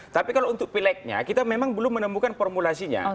tapi kalau untuk pileknya kita memang belum menemukan formulasinya